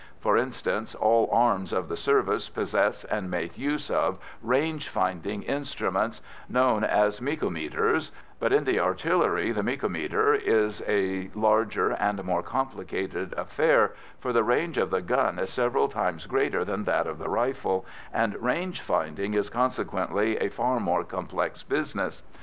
For instance, all arms of the service possess and make use of range finding instruments, known as mekometers, but in the artillery the mekometer is a larger and more complicated affair, for the range of the gun is several times greater than that of the rifle, and range finding is consequently a far more complex business.